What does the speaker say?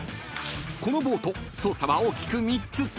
［このボート操作は大きく３つ］